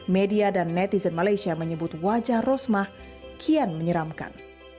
media dan netizen malaysia menyebut wajah rosmah kian menyeramkan